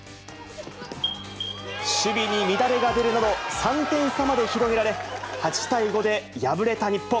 守備に乱れが出るなど、３点差まで広げられ、８対５で敗れた日本。